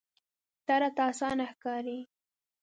دا راته اسانه ښکاري.